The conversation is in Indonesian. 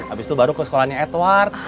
abis itu baru ke sekolahnya edward